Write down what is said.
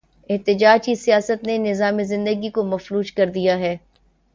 احتجاج کی سیاست نے نظام زندگی کو مفلوج کر دیا ہے۔